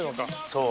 そう。